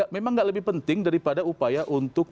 memang nggak lebih penting daripada upaya untuk